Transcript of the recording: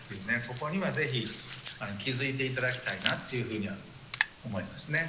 ここには是非気づいて頂きたいなっていうふうには思いますね。